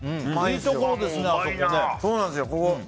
いいところですね、あそこ。